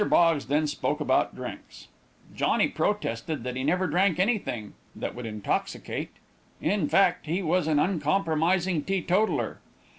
Boggs then spoke about drinks. Johnny protested that he never drank anything that would intoxicate in fact, he was an uncompromising teetotaller.